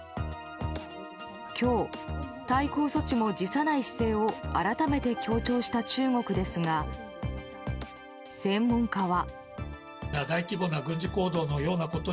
今日、対抗措置も辞さない姿勢を改めて強調した中国ですが、専門家は。